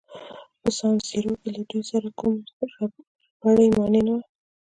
په سان سیرو کې له دوی سره کوم ربړي مانع نه وو.